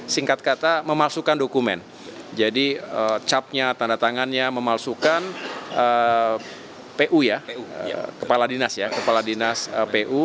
singkat kata memasukkan dokumen jadi capnya tanda tangannya memalsukan pu ya kepala dinas ya kepala dinas pu